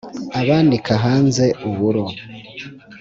Abanika ahanze uburo